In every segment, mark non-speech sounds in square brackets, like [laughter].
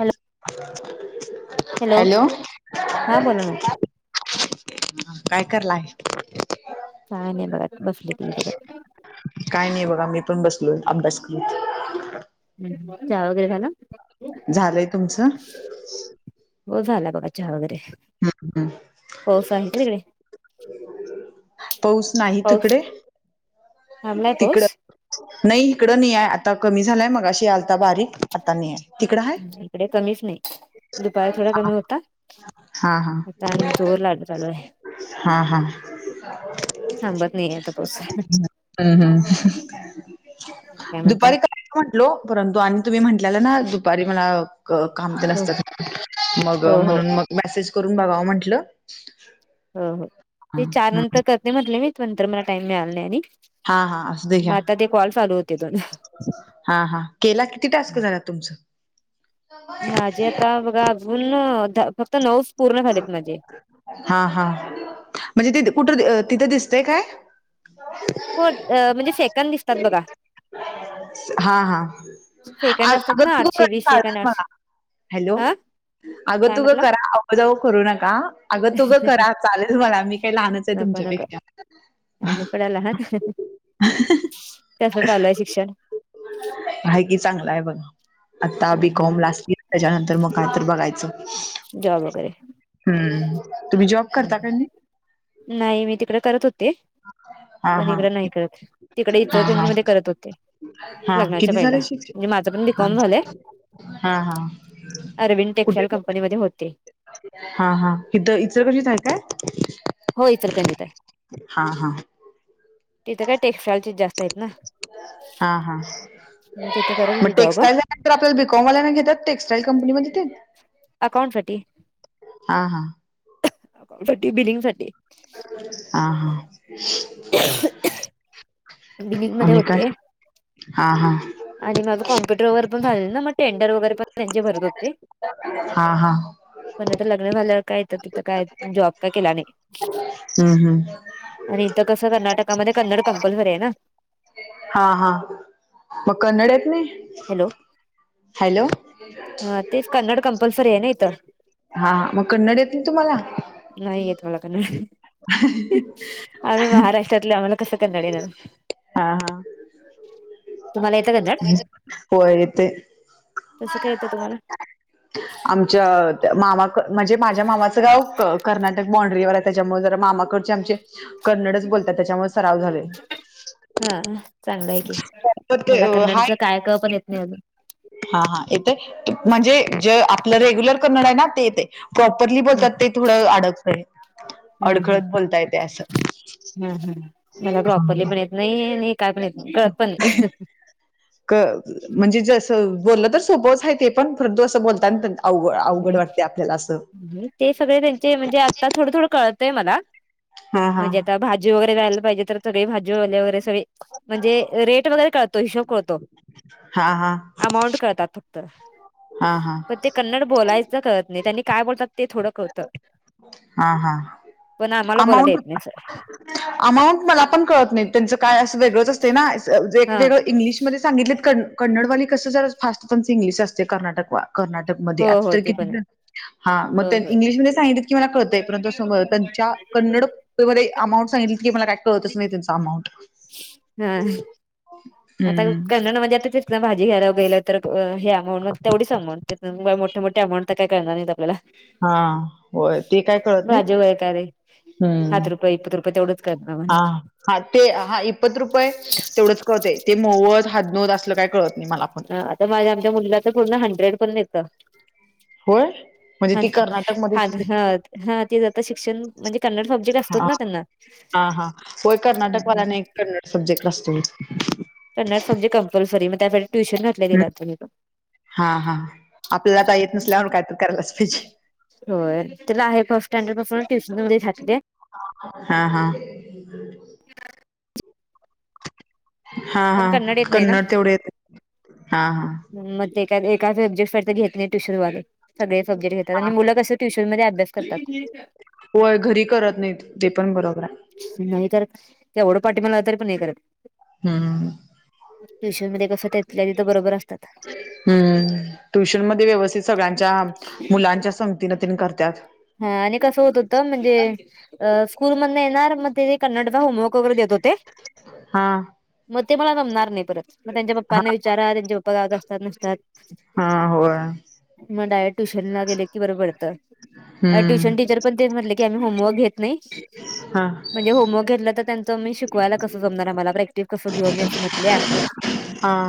Hello hello. हा बोला ना काय करलाय? काय नाही बघा बसले टी व्ही बघत. काय नाही बघा मी पण बसलोय अभ्यास करत. हम्म, चहा वगैरे झालं? झालंय तुमचं? हो झाला बगा, चहा वगैरे. हू हू. पाऊस आहे का तिकडे? पाऊस नाही पाऊस तिकडे? थांबलाय पाऊस तिकडं, नई हिकडं नई ए. आता कमी झालाय, मगाशी आलता बारीक, आता नाई ए. इकडे कमीच नई. दुपारी थोडा कमी होता. हा हा फॅन जोहलाड चालू ए. हा हा. थांबत नाही आता पाऊस हम्म, हू. काय म्हणता दुपारी करतो म्हटलो. परंतु, आणि तुम्ही म्हटल्याला ना दुपारी मला काम तेन न हो असतं, मग, हो हो म्हणून मग मेसेज करून बघावं म्हंटलं हो हो. हा ते चार हम्म नंतर करते म्हटले मी, नंतर मला टाइम मिळाला नाई आणि हा हा असू दे मग घ्या आता ते कॉल चालू होते दोन हा हा, केला? किती टास्क झाला तुमचं? माझे आता बघा, पूर्ण, अजून फक्त नऊच पूर्ण झालेत माझे. हा हा, म्हणजे ते कुठं, तिथं दिसतंय काय? हो, म्हणजे सेकंद दिसतात बघा. [inaudible] हा हा, सेकंद असतात अग ना तु आठशे कधी वीस [unintelligible] सेकंद मला, हॅलो. हा अगं काय तु गं म्हटला करा, अवं जाऊ करू नका. अगं तु गं करा चालेल मला. मी काय लहानच ए तुमच्यापेक्षा. [inaudible] आहेत म्हणा लहान. कसं ए शिक्षण? हाय की चांगला ए बघा. आता ह बीकॉम ह लास्ट इयर, त्याच्यानंतर मग काय तरी बघायचं. जॉब वगैरे हम्म, तुम्ही जॉब करता का नाही नाई, मी तिकडं करत होते. हा पण हा इकडं नाही करत. तिकडे हा हा इचलकरंजी मध्ये करत होते. हा लग्नाच्या किती पहिला झालं शिक्षण? म्हणजे माझं पण बीकॉम झालंय आमचं हा हा. अरविंद कुठे टेक्स्टाइल कंपनीमध्ये होते. हा हा, हितं इचलकरंजीत हाय काय? हो इचलकरंजित ए. हा हा तिथे काय टेक्स्टाइलचे जास्त हेत ना, हा हा मग तिथे करत होते जॉब. नाई पण आपल्या बीकॉमवाल्यांना घेतात टेक्स्टाइल कंपनीमध्ये ते? अकाउंट साठी. हा हा अकाउंट साठी, बिलिंग साठी. हा हा, बिलिंग मध्ये आणि काय? होते हा हा. आणि माझं कॉम्प्युटर वगैर पण झालेलं ना, मग टेंडर वगैरे पण त्यांचे भरत होते हा हा. पण आता लग्न झाल्यावर काय, हिथं तिथं काय, जॉब काय केला नाई. हू हू. आणि हितं कसं, कर्नाटकामध्ये कन्नड कंपल्सरी ए ना हा हा, मग कन्नड येत नई? हॅलो हॅलो ह तेच, कन्नड कम्पलसरी आहे ना इथ. हा, मग कन्नड येत नही तुम्हाला? नाही येत मला कन्नड. आम्ही महाराष्ट्र महाराष्ट्रातले आहोत. आम्हाला कस कन्नड येणार. हा हा तुम्हाला येत कन्नड. होय येते कस काय येत तुम्हाला? आमच्या त्या मामा क म्हणजे माझ्या मामाच गाव क कर्नाटक बांड्रीवर आहे. त्याच्यामुळे जरा मामाकडचे आमचे कन्नडच बोलतात. त्याच्यामुळे सराव झालाय. हा चांगल आहे की. ते मला हाय कन्नडच काय क पण येत नाही अजून. हा हा येते. म्हणजे जे आपल रेग्युलर कन्नड आहे ना ते येते. प्रॉपरली हम् बोलतात ते, थोड अडकतय हम् अडखळत बोलता येत ते अस. हम् मला प्रॉपरली पण येत नाही. आणि काय पण येत नाही. कळत पण नाही. म्हणजे जस, बोलण तर सोपच आहे ते पण. परंतु अस बोलता ते सगळे त्यांचे म्हणजे आता आता थोड थोड कळतय मला. हा हा म्हणजे आता भा भाजी वगैरे जायला पाहिजे तर सगळी भाजी वाले वगैरे सगळे म्हणजे रेट वगैरे कळतो. हिशोब कळतो. हा हा अमाऊंट कळतात. हा हा पण ते कन्नड बोलायच कळत नाही. त्यांनी काय बोलतात ते थोड कळत. हा हा पण आम्हाला बोलायला अमाऊंट येत नाही अस. अमाऊंट मला पण कळत नाही. त्यांच काय अस वेगळच असते ना. एक हा वेगळ इंग्लिशमध्ये सांगितलेत, क कन्नडवाली कस जरा फास्ट त्यांच इंग्लिश असते. कर्नाटक वा कर्नाटकमध्ये हो आता हो तर ते पण किती हा मग होय त्या, होय. इंग्लिशमध्ये सांगितल की मला कळतय. परंतु त्यांच्या कन्नड कन्नड भाषेमध्ये अमाऊंट सांगितल की मला काय कळतच नाही त्यांच अमाऊंट. हा आता हम्म. कन्नडमध्ये आता तिथन भाजी घ्यायला गेल तर हे अमाऊंट तेवढीच समजते. मोठ्या मोठ्या अमाऊंट तर काय कळणार नाहीत आपल्याला. हा होय ते काय कळत नाहीत. भाजी वैतारे हम्म. हात रुपये इत रुपये तेवढ हा हा ते हा इपत रुपये, तेवढच कळतय. ते मोवत हदनोत असल काय कळत नाही मला. पण. ह, आता माझ्या आमच्या मुलीला तर पूर्ण हंड्रेड पर्यंत येत. होय म्हणजे हा ती हा कर्नाटकमध्येच हा तीच आता शिक्षण म्हणजे कन्नड असतोच हा ना त्यांना हा हा होय कर्नाटकवाल्यांना एक कन्नड सब्जेक्ट असतो होय. Kannada subject compulsory. म त्यासाठी ट्युशन घातले तिला तुम्ही हा हा आपल्याला आता येत नसल्यावर काय तर करायलाच पाहिजे. होय, तीला आहे फर्स्ट स्टँडर पासुनच ट्युशन मध्येे घातलीये. हा हा [inaudible] हा हा पण येत नाही ना कन्नड तेवढे येत. हा हा मग तेका एका सब्जेक्ट साठी तर घेत नाही ट्यूशन वाल. सगळे सब्जेक्ट घेतात. आणि मुल कस ट्यूश नमध्ये अभ्यास करतात होय घरी करत नाही. ते पण बरोबर आहे. नाही करत. एवढ पाठीमागे लागल तरी पण नाही करत. हम्म ट्युशन मध्ये कस, त्यातल्या तिथ बरोबर असतात. हम्म, ट्युशनमध्ये व्यवस्थित सगळ्यांच्या मुलांच्या संगतीन तेन करतात. हा आणि कसं होत होत म्हणजे स्कूल मधन येणार मग ते कन्नडचा होमवर्क वगैरे देत होते. हां. म ते मला जमणार नाय परत म त्यांच्या हा पप्पाना विचारा त्यांचे पप्पा गावा असतात नसत्यात, हा होय म डायरेक्ट ट्युशनला गेल की बरं पडत. हम्म ट्युशन टीचर पण ते म्हटले की आम्ही होमवर्क घेत नाय. हा. म्हणजे होमवर्क घेतलं तर त्यांचं मी शिकवायला कसं जमणार मला प्रॅक्टिस कस घेऊ मी असं म्हटल्या. हा.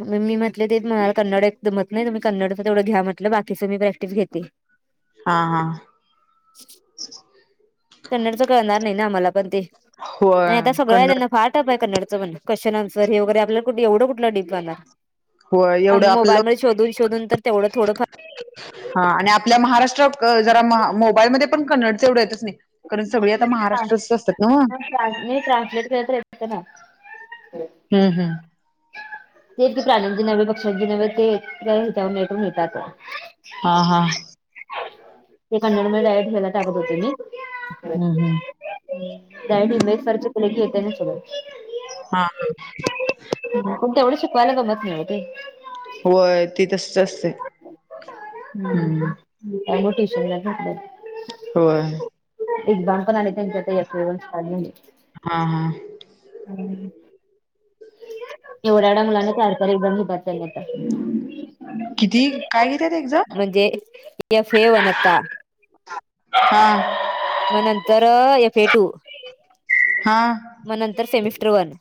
म- मी म्हटले ते मला कन्नड एकतर जमत नाय तुम्ही कन्नडचं तेवढं घ्या म्हटलं बाकीचं मी प्रॅक्टिस घेते. हा हा. [inaudible] कन्नडच कळणार नाय ना आम्हाला पण ते, होय आणि आता सगळं कन्नड त्यांना फार टप आय कन्नड. क्वेश्चन ऍन्सर हे वगैरे आपल्या कुठ एवढ कुठला डीप जाणारा. होय एवढं अंग आपल्याला मोबाईल मध्ये शोधून शोधून तर तेवढं थोडं फार हा आणि आपल्या महाराष्ट्रत जरा मोबाईलमध्ये पण कन्नडचं एवढं येतंच नाय. कारण सगळी आता महाराष्ट्राचीच असत्यात न्हव. मी ट्रान्सलेट करत राहीन त्यांना. हम्म हम्. ते प्राण्यांचे नव्हे पक्ष्यांचे नव्हे ते ह्याच्याव नेट मिळतात. हा हा. ते कन्नड मध्ये डायरेक्ट हे ला टाकत होते मी. हम्म हम्म त्या [unintelligible] सर्च केलं की येतय म सगळ. हा. पण तेवढं शिकवाला गंमत नाय ओ ते. व्हय ती तसच असतंय. हम्म, त्यामुळं ट्युशनला घातल्या. होय. एक्झाम पण आलेत यांच्या [unintelligible] स्टार्ट झाल्यात. हा हा. [inaudible] एवढ्या एवढ्या मुलांना [unintelligible] येत. किती काय घेतात एक्झाम म्हणजे एफ ए वनता हा. म नंतर एफ ए टू, हा म नंतर सेमिस्टर वन.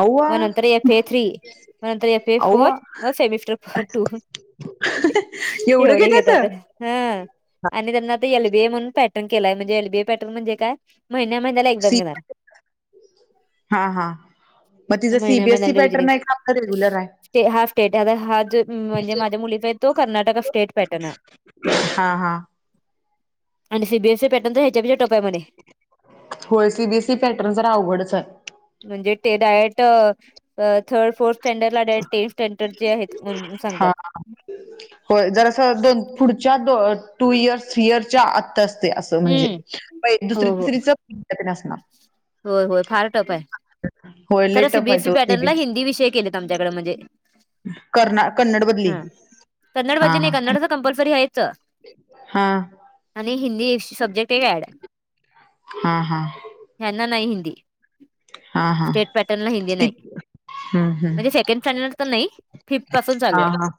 अव्वा म नंतर एफ ए थ्री, म नंतर एफ ए फोर, अव्वा म सेमीस्टर फोर टू. एवढं घेत्यात? हम्म, आणि त्यांना आता एल बी ए म्हणून पॅटर्न केलाय म्हणजे एल बी ए पॅटर्न म्हणजे का महिन्या महिन्याला एक्झाम सी घेणार. हा हा मग तिजा सी महिन्या बी एस सी महिन्याला रिजनिंग पॅटर्न आय का आपला रेग्युलर आय? हा स्टेट हा जो म्हणजे माझ्या मुलीचा आय तो कर्नाटक स्टेट पॅटर्न. हा हा. आणि C B S C pattern तर हेच्या पेक्षा टफ आहे म्हणे. होय C B S C pattern जरा अवघडच आय. म्हणजे ते डायरेक्ट थर्ड फोर्थ स्टॅंडर्ड ला डायरेट टेन्थ स्टँडर्ड जे आहेत हा [unintelligible] होय. जरा अस दोन पुढच्या दो टू इयर् थ्री इयरच्या आतच. ते अस म्हणजे. हम्म प हो दुसरी हो तिसरीच [unintelligible] होय. होय. फार टफ ए. [inaudible] खर सि टफ बी आहे एस ई तो पॅटर्नला सीबीएस हिंदी विषय केलेत आमच्याकडे. म्हणजे- कर्ना कन्नड मधली हं. कन्नड हा मधले नाही. हा कन्नडच कंपल्सरी आहेच. हा. आणि हिंदी [unintelligible] सबजेक्ट एक ऍड. हां. हां. ह्यांना नाही हिंदी. हा हा स्टेट पॅटर्नला हिंदी नाही. कित हम्म हम्म म्हणजे सेकंड स्टँडर्ड तर नाही. फिफ्थ पासून चालू हा आहे. हा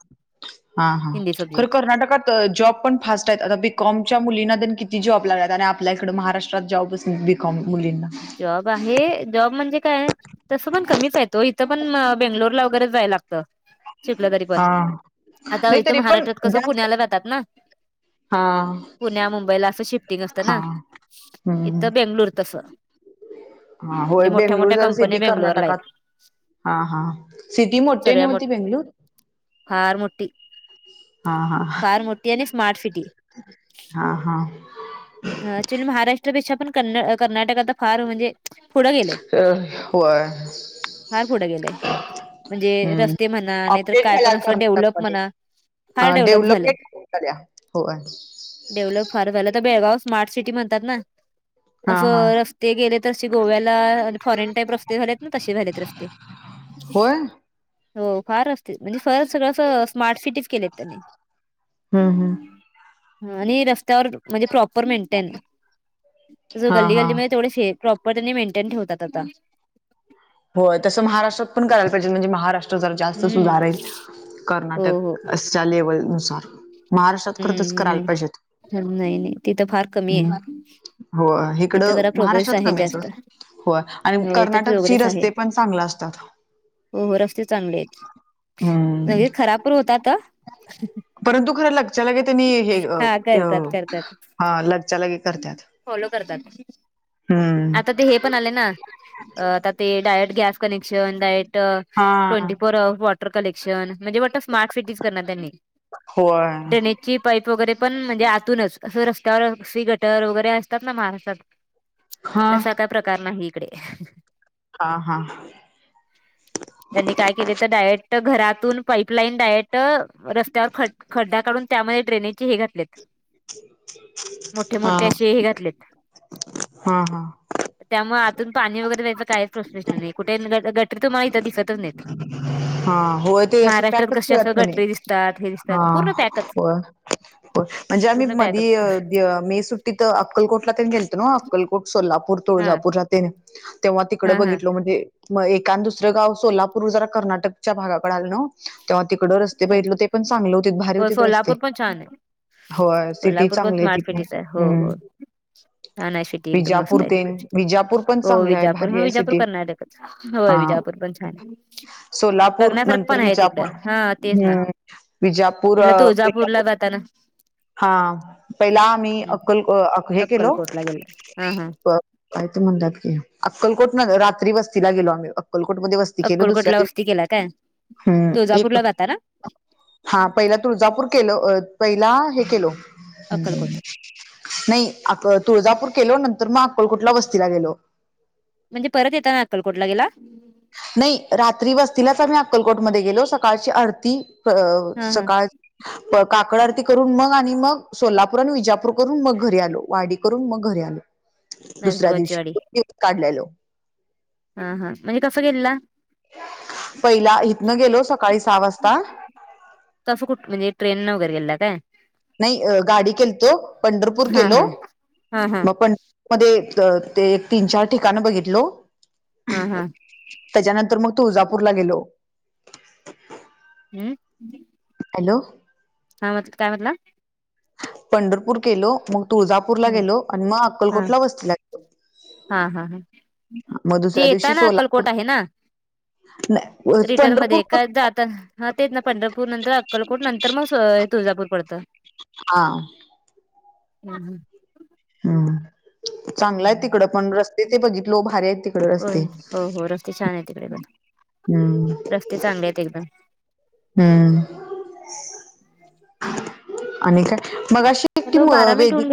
हां. हां. हिंदी सब्जेक्ट खर कर्नाटकात- जॉब पण फास्ट आहेत. आता बी कॉमच्या मुलींना तेन किती जॉब लागलेत आणि आपल्या इकडे महाराष्ट्रात जॉबच - क मुूलींना. बाहेर जॉब म्हणजे काय? तसं पण कमीच हायेतं हो. इथं पण बेंगलोरला वगैरे जायला लागतं. शिकलं तरी पण. हां. आता नाही इथं तरी पण महाराष्ट्रात कसं जास्त पुण्याला जातात ना? हां पुण्या मुंबईला असं शिफ्टिंग असतं ना? हां. हम्म. इथं बेंगलुर तस. होय. बेंगलुर जरा सिधी कंपन्या बेंगलोरला कर्नाटकात. आहेत हा. हा. सिटी मोठे सगळ्या ना मो हो ती बेंगलूर. फार मोट्ठी. ह फार मोठ्ठी आणि स्मार्ट सिटी. हा हा. ऍक्चुली महाराष्ट्रापेक्षा पण क कर्नाटक आता फार म्हणजे- पुढं गेलय. अ, होय फार पुढं गेलय. म्हणजे हम्म. रस्ते म्हणा नाहीतर अपडेट काय पण असं डेव्हलप म्हणा. अ फार डेव्हलप झालंय डेव्हलपमेंट [unintelligible] हो डेव्हलप फार झालं. तर बेळगाव स्मार्ट सिटी म्हणतात ना? हां हां. असं रस्ते गेले तर अशी गोव्याला फॉरेन टाईप रस्ते झालेत ना? तसे झालेत रस्ते. होय? हो. फार असते. म्हणजे खर सगळं अस स्मार्ट सिटी- येत त्यांनी. हम्म हम्म. आणि रस्त्यावर त्यांनी म्हणजे प्रॉप - प्रॉपर मेंटेन. ज हां गल्ली हां. गल्लीमध्ये ते प्रॉपर त्यांनी मेंटेन ठेवतात आता. होय. तस महाराष्ट्रात पण करायला पाहिजे म्हणजे महाराष्ट्र- जरा जास्त हम्म सुधारेल. हो हो कर्नाटकच्या लेवल नुसार. महाराष्ट्रात खरं तसं करायला पायजे होत. हं. नाही नाही तिथ फार कमी आहे. हो. इथं इकडं जरा प्रोग्रेस महाराष्ट्रात कमी आहे सोड. जास्त होय आणि हो इथे कर्नाटकची प्रोग्रेस रस्ते- आहे. -स्ते पण चांगलं असतात. हो. हो. रस्ते चांगलेहेत. हम्म तरी खराब पण होताात. परंतु खरं लगच्यालगे त्यांनी हे- हा अ. करतात करतात हा- लगच्यालगे करतात. फॉलो करतात. हम्म. आता ते हे पण आले ना, अ आता ते डायरेक्ट गॅस कनेक्शन डायरेक्ट, हा ट्वेंटी पर वॉटर कलेक्शन म्हणजे वाट स्मार्ट सिटीज करणार त्यांनी, होय ड्रेनेजची पाईप वगैरे पण म्हणजे आतूनच असं रस्त्यावर सी गटर वगैरे असतात ना महाराष्ट्रात. हा तसा काय प्रकार नाही इकडे. हा हा. त्यांनी काय केलय त डायरेक्ट घरातून पाईपलाईन डायरेक्ट रस्त्यावर फट खड्डा काढून त्यामध्ये ड्रेनेजचे हे घातल्यात. हा, मोठे असे हे घातलेत हा हा. त्यामुळे आतून पाणी वगैरे जायचा काहीच प्रश्न नाही कुठे गटरी तुम्हाला इथं दिसतच नाहीत. हा होय ते असं महाराष्ट्रात पॅकच कसे असं केल्यात, गटरी दिसतात हे दिसतात हा, पूर्ण पॅकच होय. प, म्हणजे आम्ही पूर्ण पॅकच मधीय य मे सुट्टीत अक्कलकोटला तेन गेलतो नव अक्कलकोट सोलापूर, हा तुळजापूरला तेन. तेव्हा तिकडे हा हा बघितल म्हणजे, म एक एकान दुसरं गाव सोलापूर जरा कर्नाटकच्या भागाकड आलं नव, तेव्हा तिकड रस ते नाही बघितलो ते पण चांगल होती भारी हो होतीत रस्ते. सोलापूर पण छान आहे व्हय सिटी सोलापूर पण चांगली आहे स्मार्ट तिथून, सिटीच आहे हो हम्म, हो छान आहे सिटी एकदम विजापुर मस्त आहे तेन तिकडची विजापूर पण हो चांगलं आहे विजापूर भारी हो आहे विजापूर सिटी. कर्नाटकच होय हा विजापूर पण छान, सोलापूर बघण्यासारखं नंतर पण आहे तिथ विजापूर हा. तेच हम्म, ना विजापूर इला विजापूर. तुळजापूरला जाताना हा, पहिला आम्ही हम्म अक्कल हे केलो. अक्कलकोटला गेला हा हा प, काय ते म्हणतात की अक्कलकोट न रात्री वस्तीला गेलो आम्ही अक्कलकोटमध्ये वस ती केलो अक्कलकोटला दुसऱ्या वस्ती दिव, केला काय हम्म एक, तुळजापूरला जाताना हा पहिला तुळजापूर केलो अ, पहिला हे केलो, अक्कलकोट हम्म. नाही आप तुळजापूर केेलो नंतर म अक्कोलकोटला वस्तीला गेलो. म्हणजे परत येताना अक्कलकोटला गेला? नाही रात्री वस्तीलाच आम्ही अक्कलकोटमध्ये गेलो. सकाळची आरती, प हा हा सकाळ [inaudible] प काकड आरती करून मग आणि मग सोलापूर आणि विजापूर करून मग घरी आलो वाडी करून मग घरी आलो. दुसऱ्या नरसोबाची दिवशी, वाडी [unintelligible] काढलेलो. हा हा म्हणजे कसं गेलेला? पहिला इथनं गेलो सकाळी सहा वाजता. तसं कुठ म्हणजे ट्रेन वैगेरे गेलेला काय? नाही गाडी केलतो, पंढरपूर हा केलो, हा हा हा म पं मध्ये त ते एक तीन चार ठिकाण बघितलो.. हा हा. त्याज्यानंतर म तुळजापूर ला गेलो. हम्म. हॅलो. हां म, काय म्हटला? पंढरपूर केलो मग तुळजापूरला हम्म गेलो आणि म हा अक्कलकोटला वस्तीला हा हा हा, मग जे दुसऱ्या येता दिवशी ना सोलापूर अक्कलकोट आहे ना? नाही रिटर्न मध्ये पंढरपूर का जाता हा तेच ना पंढरपूर नंतर अक्कलकोट नंतर म सोय तुळजापूर पडत. हा. हा हा. हम चांगला आहे तिकडं पण रस्ते ते बघितलं भारी आहेत तिकड रस्ते. हो हो रस्ते छान आहे तिकडे पण हम्म रस्ते चांगले आहेत एकदम. हम् आणि मगाशी हॅलो बारा मिनिट होऊन वेदिका